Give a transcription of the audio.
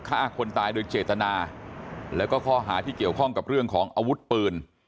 ฆ่าคนตายโดยเจตนาแล้วก็ข้อหาที่เกี่ยวข้องกับเรื่องของอาวุธปืน